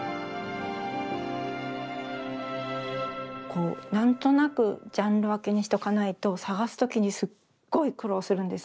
こう何となくジャンル分けにしとかないと探す時にすっごい苦労するんですね。